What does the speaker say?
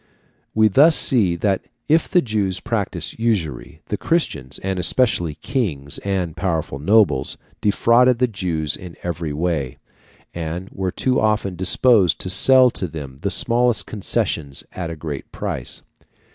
We thus see that if the Jews practised usury, the Christians, and especially kings and powerful nobles, defrauded the Jews in every way, and were too often disposed to sell to them the smallest concessions at a great price.